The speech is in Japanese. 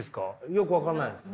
よく分かんないですね。